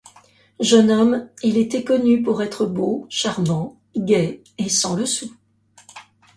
Jeune homme, il était connu pour être beau, charmant, gai et sans le sou.